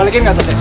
balikin ke atas ya